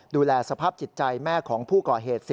ดูแลสภาพจิตใจแม่ของผู้ก่อเหตุ